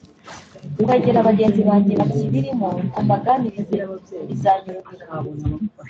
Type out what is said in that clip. kwegera bagenzi banjye bakibirimo ngo mbaganirize bizanyorohera